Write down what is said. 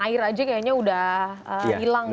air aja kayaknya udah hilang ya